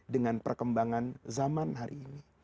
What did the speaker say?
dengan perkembangan zaman hari ini